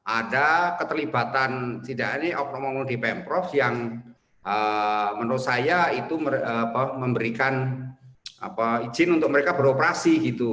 ada keterlibatan tidak hanya oknum oknum di pemprov yang menurut saya itu memberikan izin untuk mereka beroperasi gitu